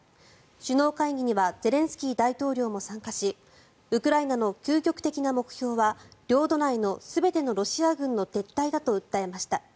首脳会議にはゼレンスキー大統領も参加しウクライナの究極的な目標は領土内の全てのロシア軍の撤退だと訴えました。